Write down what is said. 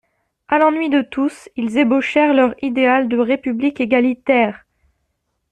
A l'ennui de tous, ils ébauchèrent leur idéal de République égalitaire.